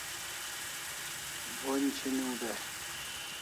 Bonj chiniw day